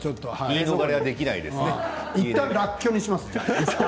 いったんらっきょうにしますか。